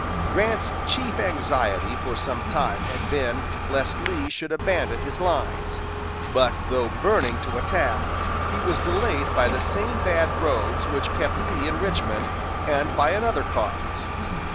Grant's chief anxiety for some time had been lest Lee should abandon his lines; but though burning to attack, he was delayed by the same bad roads which kept Lee in Richmond, and by another cause.